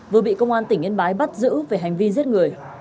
vừa bị công an tp hcm bắt giữ về hành vi giết người